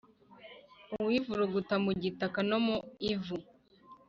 uwivuruguta mu gitaka no mu ivu,